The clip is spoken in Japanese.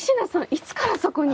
いつからそこに？